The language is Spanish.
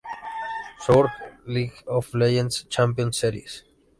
Source: League of Legends Championship Series